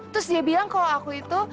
terus dia bilang kalau aku itu